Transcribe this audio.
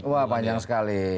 wah panjang sekali